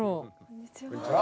こんにちは。